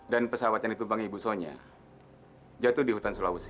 dan pesawat yang ditumpangi ibu sonya jatuh di hutan sulawesi